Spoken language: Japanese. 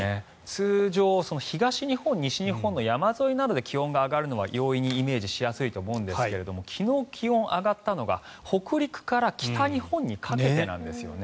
通常、東日本と西日本の山沿いなどで気温が上がるのは容易にイメージしやすいと思うんですが昨日気温が上がったのが北陸から北日本にかけてなんですよね。